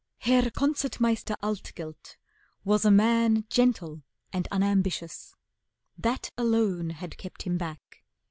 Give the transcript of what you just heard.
Herr Concert Meister Altgelt was a man Gentle and unambitious, that alone Had kept him back.